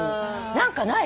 何かない？